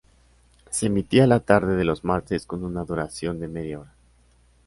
Se emitía la tarde de los martes con una duración de media hora.